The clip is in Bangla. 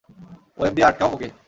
ওয়েব দিয়ে আটকাও ওকে।